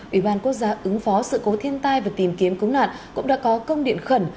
ủy ban quốc gia ứng phó sự cố thiên tai và tìm kiếm cứu nạn cũng đã có công điện khẩn